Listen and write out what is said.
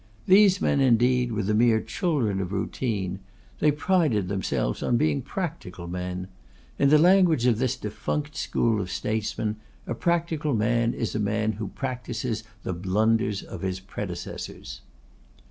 These men, indeed, were the mere children of routine. They prided themselves on being practical men. In the language of this defunct school of statesmen, a practical man is a man who practises the blunders of his predecessors.